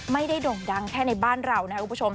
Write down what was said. โด่งดังแค่ในบ้านเรานะครับคุณผู้ชม